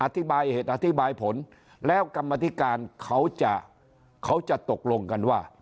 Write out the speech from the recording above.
อธิบายเหตุอธิบายผลแล้วกรรมธิการเขาจะตกลงกันว่า